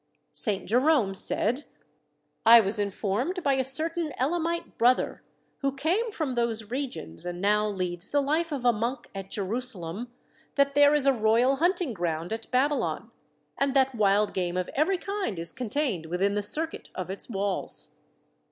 St. Jerome said : THE WALLS OF BABYLON 67 I was informed by a certain Elamite brother, who came from those regions, and now leads the life of a monk at Jerusalem, that there is a royal hunting ground at Babylon, and that wild game of every kind is contained within the circuit of its walls.